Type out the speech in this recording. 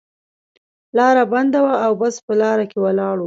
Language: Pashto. لاره بنده وه او بس په لار کې ولاړ و.